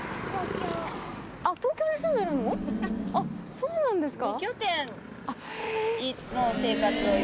そうなんですか？